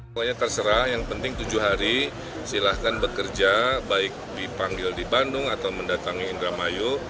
pokoknya terserah yang penting tujuh hari silahkan bekerja baik dipanggil di bandung atau mendatangi indramayu